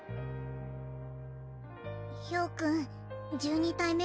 豹君１２体目